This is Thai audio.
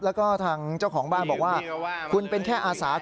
แล้วก็ทางเจ้าของบ้านบอกว่าคุณเป็นแค่อาสา